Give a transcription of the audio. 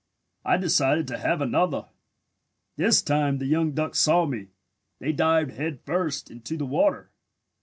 I decided to have another. This time the young ducks saw me. They dived head first into the water.